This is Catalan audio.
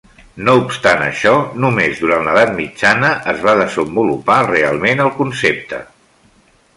No obstant això, només durant l'edat mitjana es va desenvolupar realment el concepte.